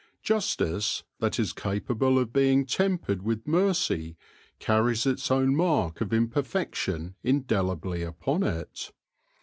Justice that is capable of being tempered with mercy carries its own mark of imperfection indelibly upon it.